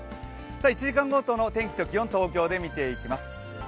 １時間ごとの天気と気温、東京で見ていきます。